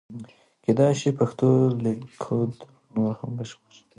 کېدای شي پښتو لیکدود نور هم بشپړ شي.